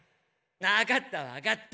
わかったわかった。